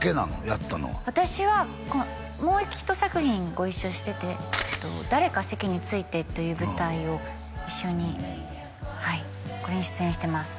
やったのは私はもう１作品ご一緒してて「誰か席に着いて」という舞台を一緒にはいこれに出演してます